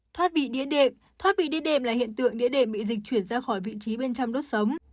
thoát vị đĩa đệm thoát vị đĩa đệm là hiện tượng đĩa đệm bị dịch chuyển ra khỏi vị trí bên trong đốt sống